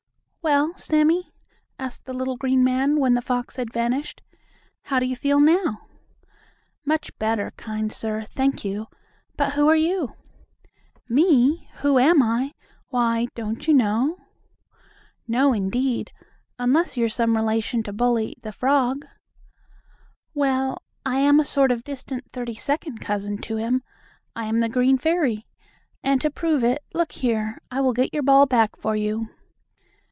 "Well, Sammie?" asked the little green man, when the fox had vanished, "How do you feel now?" "Much better, kind sir. Thank you. But who are you?" "Me? Who am I? Why, don't you know?" "No, indeed, unless you're some relation to Bully, the frog." "Well, I am a sort of distant thirty second cousin to him. I am the green fairy. And to prove it, look here, I will get your ball back for you."